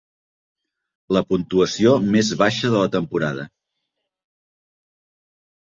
La puntuació més baixa de la temporada.